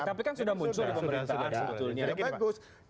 oke tapi kan sudah muncul di pemerintahan